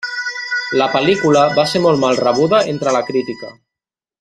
La pel·lícula va ser molt mal rebuda entre la crítica.